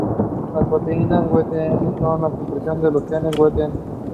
He was extremely popular among his Sudanese followers.